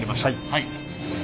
はい。